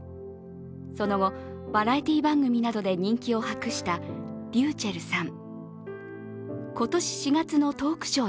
その後、バラエティー番組などで人気を博したｒｙｕｃｈｅｌｌさん。